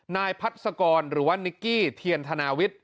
นายพัศกรหรือว่านิกกี้เทียนธนาวิทย์